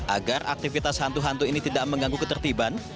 agar aktivitas hantu hantu ini tidak mengganggu ketertiban